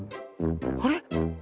あれ？